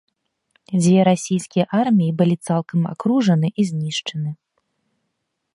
Дзве расійскія арміі былі цалкам акружаны і знішчаны.